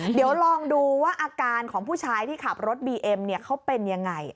เดี๋ยวลองดูว่าอาการของผู้ชายที่ขับรถบีเอ็มเนี่ยเขาเป็นยังไง